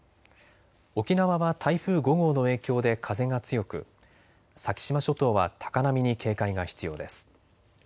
沖縄は台風５号の影響で風が強く、先島諸島は高波に警戒が必要です。